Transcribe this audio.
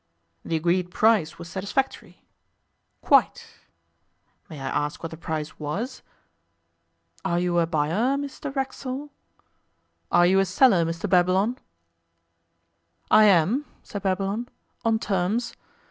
'The agreed price was satisfactory?' 'Quite.' 'May I ask what the price was?' 'Are you a buyer, Mr Racksole?' 'Are you a seller, Mr Babylon?' 'I am,' said Babylon, 'on terms.